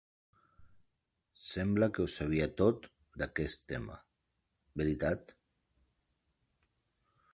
Sembla que ho sabia tot d'aquest tema, veritat?